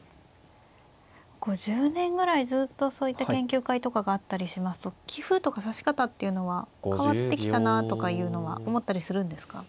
１０年ぐらいずっとそういった研究会とかがあったりしますと棋風とか指し方っていうのは変わってきたなとかいうのは思ったりするんですか。